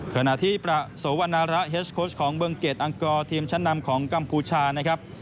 ขณะที่ประโสวนาระเฮสโค้ชของเบิงเกดอังกอร์ทีมชั้นนำของกัมพูชานะครับ